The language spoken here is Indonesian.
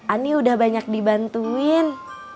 ani udah banyak dibantuin